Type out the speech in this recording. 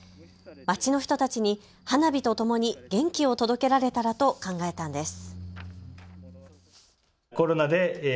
町の人たちに花火とともに元気を届けられたらと考えたんです。